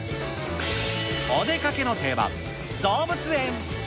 お出かけの定番、動物園。